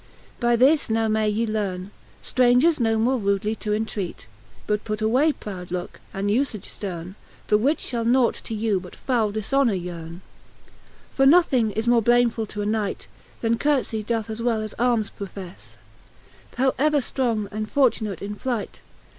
By this now may ye learne, Strangers no more fb rudely to intreat. But put away proud looke, and lifage fterne, The which fhall nought to you but foule diflionor yearne. XLI. For nothing is more blamefull to a knight, That court'iie doth as well as armes profelle, How ever ftrong and fortunate in fight.